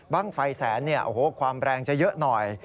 บ้างไฟแสนความแรงจะเยอะหน่อย